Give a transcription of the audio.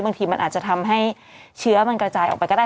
บางทีมันอาจจะทำให้เชื้อมันกระจายออกไปก็ได้